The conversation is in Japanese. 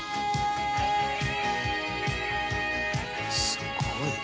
「すごいな」